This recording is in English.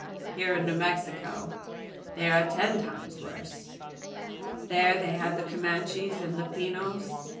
here in New Mexico they are ten times worse. There they have the Comanches and Lipanos.